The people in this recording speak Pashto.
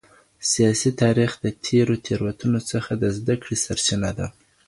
سياسي تاريخ د تېرو تېروتنو څخه د زده کړي سرچينه ده.